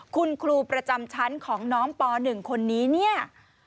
คุณครูประจำชั้นของน้องป๑คนนี้เนี่ย